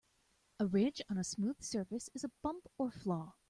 A ridge on a smooth surface is a bump or flaw.